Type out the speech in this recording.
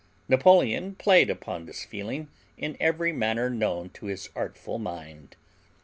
Napoleon played upon this feeling in every manner known to his artful mind.